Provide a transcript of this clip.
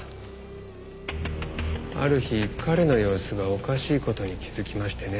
ある日彼の様子がおかしい事に気づきましてね。